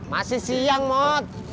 masih siang mot